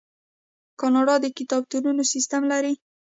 کاناډا د کتابتونونو سیستم لري.